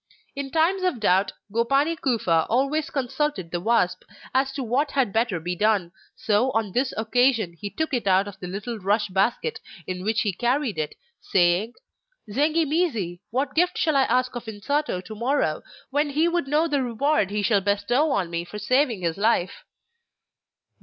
In times of doubt Gopani Kufa always consulted the wasp as to what had better be done, so on this occasion he took it out of the little rush basket in which he carried it, saying: 'Zengi mizi, what gift shall I ask of Insato to morrow when he would know the reward he shall bestow on me for saving his life?